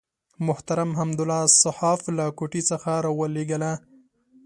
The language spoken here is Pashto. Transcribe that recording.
محترم حمدالله صحاف له کوټې څخه راولېږله.